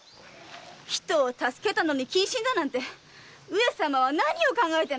人を助けたのに謹慎だなんて上様は何を考えてんのさ！